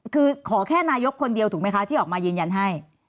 คือขอแค่นายกคนเดียวถูกไหมคะที่ออกมายืนยันให้